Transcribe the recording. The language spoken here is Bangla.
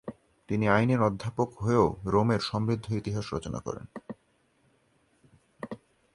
তিনি আইনের অধ্যাপক হয়েও রোমের সমৃদ্ধ ইতিহাস রচনা করেন।